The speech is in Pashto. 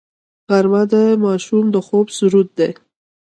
غرمه د ماشوم د خوب سرود دی